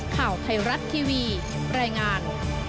ข่าวไทรัตรทีวีแรงงาน